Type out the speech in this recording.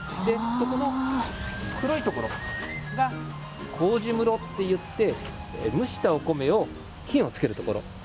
ここの黒いところが麹室っていって蒸したお米に菌をつけるところ。